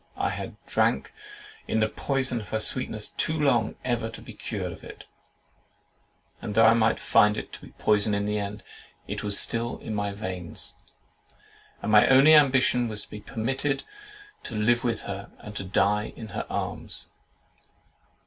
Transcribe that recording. I had drank in the poison of her sweetness too long ever to be cured of it; and though I might find it to be poison in the end, it was still in my veins. My only ambition was to be permitted to live with her, and to die in her arms.